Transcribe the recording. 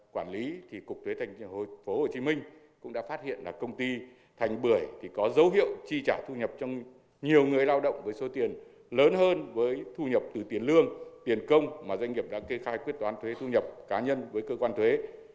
quản lý cục thuế tp hcm cũng đã phát hiện công ty thanh bưởi có dấu hiệu chi trả thu nhập cho nhiều người lao động với số tiền lớn hơn với thu nhập từ tiền lương tiền công mà doanh nghiệp đã kê khai quyết toán thu nhập cá nhân với cơ quan thuế